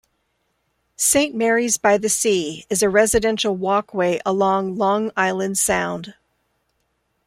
Saint Mary's by the Sea is a residential walkway along Long Island Sound.